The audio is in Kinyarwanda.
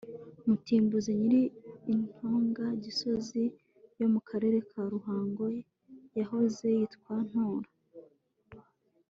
Mutimbuzi nyiri i Ntora Gisozi yo mu Karere ka Ruhango yahoze yitwa Ntora